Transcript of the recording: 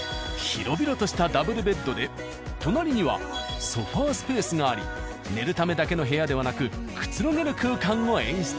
広々としたダブルベッドで隣にはソファスペースがあり寝るためだけの部屋ではなくくつろげる空間を演出。